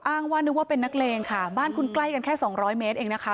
อ้างว่านึกว่าเป็นนักเลงค่ะบ้านคุณใกล้กันแค่สองร้อยเมตรเองนะคะ